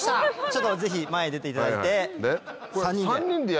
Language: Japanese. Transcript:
ちょっとぜひ前に出ていただいて３人で。